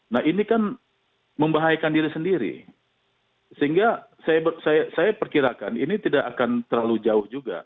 nah ini kan membahayakan diri sendiri sehingga saya perkirakan ini tidak akan terlalu jauh juga